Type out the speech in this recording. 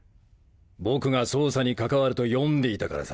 僕が捜査に関わると読んでいたからさ。